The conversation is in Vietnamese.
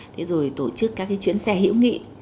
thế rồi tổ chức các cái chuyến xe hữu nghị